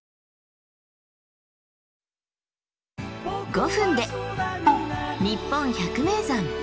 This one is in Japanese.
５分で「にっぽん百名山」。